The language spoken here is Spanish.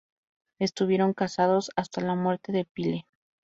Estuvieron casados hasta la muerte de Pyle.